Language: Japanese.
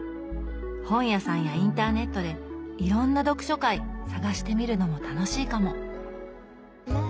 本屋さんやインターネットでいろんな読書会探してみるのも楽しいかも。